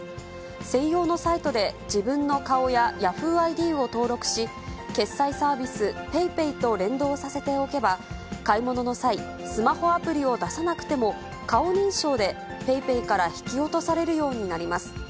専用のサイトで自分の顔やヤフーＩＤを登録し、決済サービス、ＰａｙＰａｙと連動させておけば、買い物の際、スマホアプリを出さなくても、顔認証でＰａｙＰａｙから引き落とされるようになります。